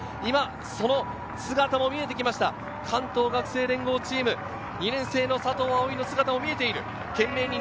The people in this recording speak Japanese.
その姿が見えてきました、関東学生連合チーム、２年生・佐藤碧の姿が見えている。